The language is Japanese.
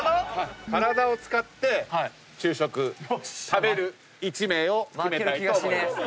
体を使って昼食食べる１名を決めたいと思います。